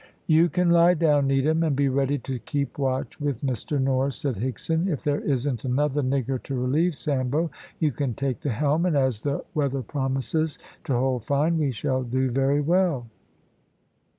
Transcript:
"You can lie down, Needham, and be ready to keep watch with Mr Norris," said Higson. "If there isn't another nigger to relieve Sambo you can take the helm, and as the weather promises to hold fine we shall do very well."